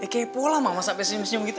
ya kepo lah mama sampe senyum senyum gitu